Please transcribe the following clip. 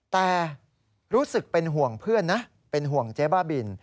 แต่รู้สึกเป็นห่วงเพื่อนนะเป็นห่วงเจ๊บ้าบิน